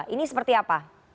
ini seperti apa